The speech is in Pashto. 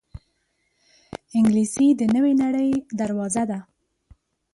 انګلیسي د نوې نړۍ دروازه ده